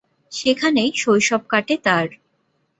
সেখানেই শৈশব কাটে তার।